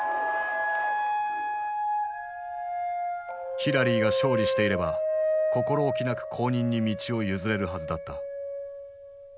ヒラリーが勝利していれば心おきなく後任に道を譲れるはずだった。